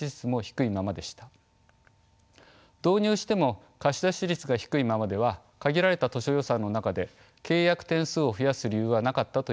導入しても貸し出し率が低いままでは限られた図書予算の中で契約点数を増やす理由はなかったといえます。